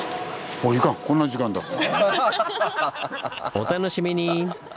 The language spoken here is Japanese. お楽しみに！